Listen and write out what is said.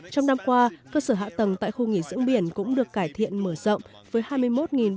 trong năm qua cơ sở hạ tầng tại khu nghỉ dưỡng biển cũng được cải thiện mở rộng